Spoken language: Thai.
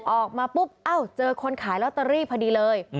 ออกมาปุ๊บเอ้าเจอคนขายลอตเตอรี่พอดีเลย